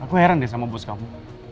aku heran deh sama bus kamu